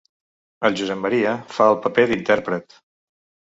El Josep Maria fa el paper d'intèrpret.